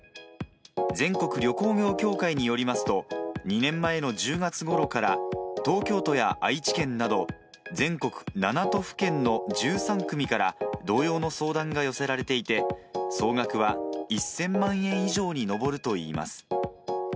全国旅行業協会によりますと、２年前の１０月ごろから、東京都や愛知県など、全国７都府県の１３組から、同様の相談が寄せられていて、総額は１０００万円以上に上るといいます。